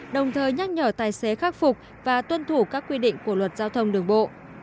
đồng thời nhắc nhở tài xế khắc phục và tuân thủ các quy định của luật giao thông đường bộ